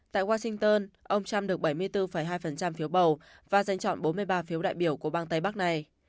tại washington ông trump được bảy mươi bốn hai phiếu bầu và giành chọn bốn mươi ba phiếu đại biểu của bang tây bắc này